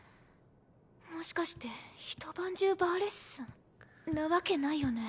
もしかしてひと晩中バーレッスンなわけないよね。